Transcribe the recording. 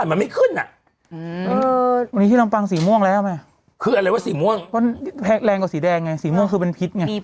พูดงีดังมาก